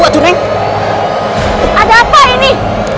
ada apa ini